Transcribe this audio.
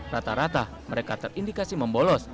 rata rata mereka terindikasi membolos